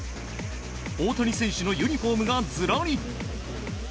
大谷選手のユニホームがずらり。